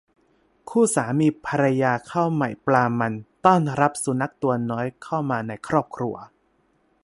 คู่สามีภรรยาข้าวใหม่ปลามันต้อนรับสุนัขตัวน้อยเข้ามาในครอบครัว